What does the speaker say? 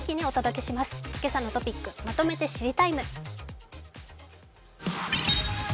「けさのトピックまとめて知りＴＩＭＥ，」。